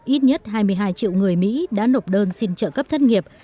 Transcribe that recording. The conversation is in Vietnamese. ít nhất hai mươi hai triệu người mỹ đã nộp đơn xin trợ cấp thất nghiệp